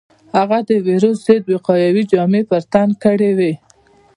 هغه د وېروس ضد وقايوي جامې پر تن کړې وې.